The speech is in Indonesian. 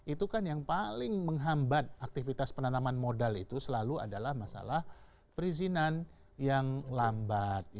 itu kan yang paling menghambat aktivitas penanaman modal itu selalu adalah masalah perizinan yang lambat